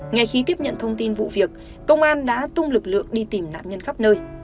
ngay khi tiếp nhận thông tin vụ việc công an đã tung lực lượng đi tìm nạn nhân khắp nơi